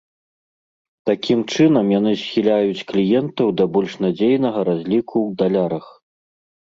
Такім чынам яны схіляюць кліентаў да больш надзейнага разліку ў далярах.